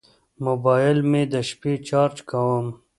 موبایل مې د شپې چارج کوم.